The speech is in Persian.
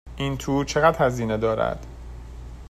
این تور چقدر هزینه دارد؟